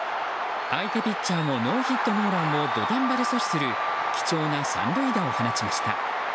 相手ピッチャーのノーヒットノーランを土壇場で阻止する貴重な３塁打を放ちました。